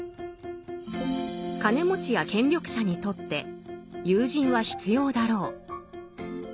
金持ちや権力者にとって友人は必要だろう。